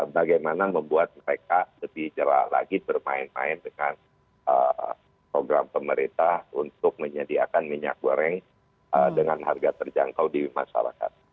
bagaimana membuat mereka lebih jerah lagi bermain main dengan program pemerintah untuk menyediakan minyak goreng dengan harga terjangkau di masyarakat